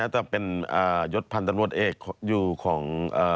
แต่เป็นยศพันธ์ตำรวจเอกอยู่ของ